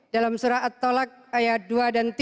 dalam surah at tolak ayat dua dan tiga